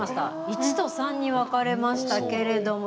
１と３に分かれましたけれども。